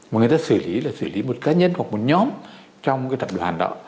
mà người ta xử lý là xử lý một cá nhân hoặc một nhóm trong cái tập đoàn đó